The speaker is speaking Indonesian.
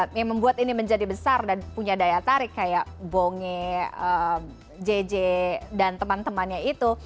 yang membuat ini menjadi besar dan punya daya tarik kayak bonge jj dan teman temannya itu